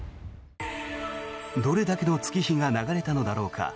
どれだけの月日が流れたのだろうか。